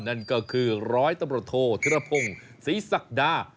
นั่นก็คือร้อยตำรวจโทษธิรพงศ์ศรีศักดา